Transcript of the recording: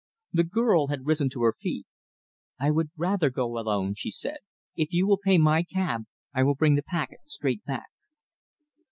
The girl had risen to her feet. "I would rather go alone," she said. "If you will pay my cab, I will bring the packet straight back."